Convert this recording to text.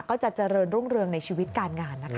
ก็จะเจริญรุ่งเรืองในชีวิตการงานนะคะ